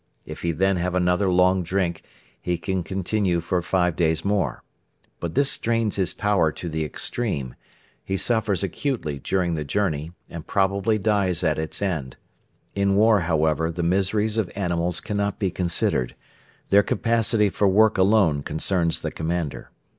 If he then have another long drink, he can continue for five days more. But this strains his power to the extreme; he suffers acutely during the journey, and probably dies at its end. In war, however, the miseries of animals cannot be considered; their capacity for work alone concerns the commander.